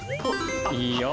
いいよ。